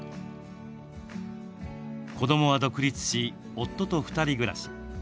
子どもは独立し、夫と２人暮らし。